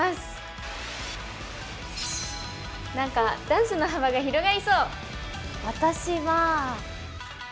なんかダンスの幅が広がりそう。